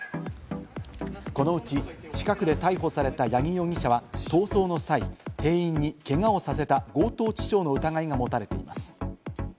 このうち近くで逮捕された八木容疑者は逃走の際、店員にけがをさせた強盗致傷の疑いが持たれています。